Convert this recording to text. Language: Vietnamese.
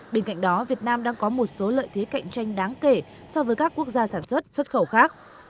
bên cạnh đó việt nam đang có một số lợi thế cạnh tranh đáng kể so với các quốc gia sản xuất xuất khẩu khác